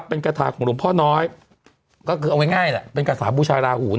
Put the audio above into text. พวกนี้ไม่รู้